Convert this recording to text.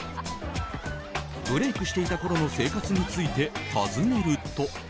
ブレークしていたころの生活について、尋ねると。